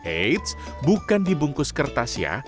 eits bukan dibungkus kertas ya